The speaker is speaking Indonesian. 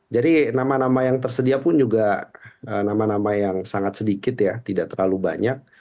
jadi nama nama yang tersedia pun juga nama nama yang sangat sedikit ya tidak terlalu banyak